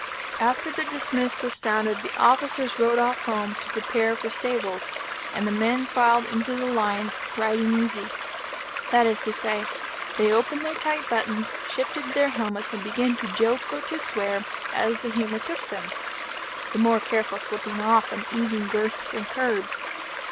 After the "dismiss" was sounded, the officers rode off home to prepare for stables; and the men filed into the lines, riding easy. That is to say, they opened their tight buttons, shifted their helmets, and began to joke or to swear as the humor took them; the more careful slipping off and easing girths and curbs.